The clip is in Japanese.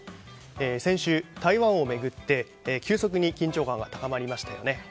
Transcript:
先週、台湾を巡って急速に緊張感が高まりましたよね。